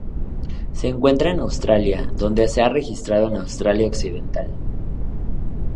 Se encuentra en Australia, donde se ha registrado en Australia Occidental.